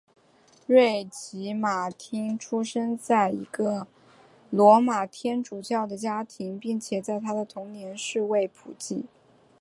瑞奇马汀出生在一个罗马天主教的家庭并且在他的童年是位辅祭。